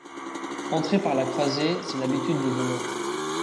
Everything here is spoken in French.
Entrer par la croisée, c’est l’habitude des voleurs.